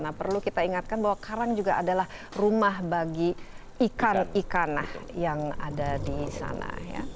nah perlu kita ingatkan bahwa karang juga adalah rumah bagi ikan ikan yang ada di sana